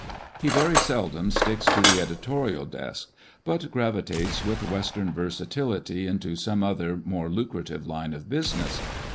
He very seldom sticks to the editorial desk, but gravitates with western versatility into some other more lucrative line of business.